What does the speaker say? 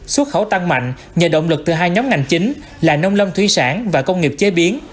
xuất khẩu tăng mạnh nhờ động lực từ hai nhóm ngành chính là nông lâm thủy sản và công nghiệp chế biến